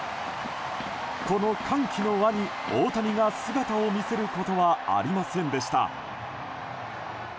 この歓喜の輪に大谷が姿を見せることはありませんでした。